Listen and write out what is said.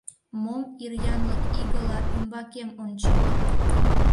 Мом ир янлык игыла ӱмбакем ончет?!